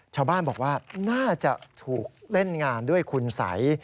ชาวบ้านบอกว่าน่าจะถูกเล่นงานด้วยคุณสัย